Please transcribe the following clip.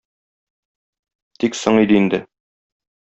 Тик соң иде инде.